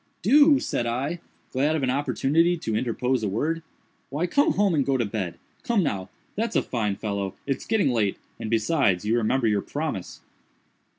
"Do!" said I, glad of an opportunity to interpose a word, "why come home and go to bed. Come now!—that's a fine fellow. It's getting late, and, besides, you remember your promise."